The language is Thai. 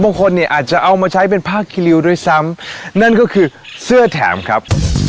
บางคนเนี่ยอาจจะเอามาใช้เป็นผ้าคิริวด้วยซ้ำนั่นก็คือเสื้อแถมครับ